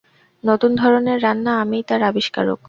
নতুন ধরনের রান্না, আমিই তার আবিষ্কারক।